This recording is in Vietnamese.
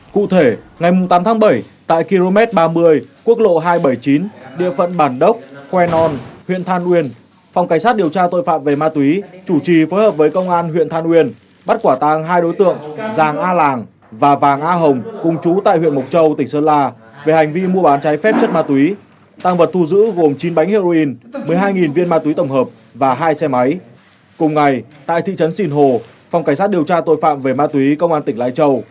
chỉ trong vòng bảy ngày từ ngày tám tháng bảy đến ngày tám tháng bảy phòng cảnh sát điều tra tội phạm về ma túy công an tỉnh lai châu phối hợp với các đơn vị nghiệp vụ công an tỉnh lai châu phối hợp với các đơn vị nghiệp vụ công an tỉnh lai châu